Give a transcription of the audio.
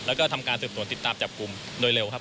แล้วก็ทำการสืบสวนติดตามจับกลุ่มโดยเร็วครับ